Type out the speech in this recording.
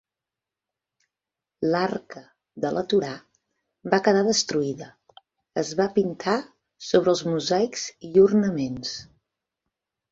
L'arca de la torà va quedar destruïda; es va pintar sobre els mosaics i ornaments.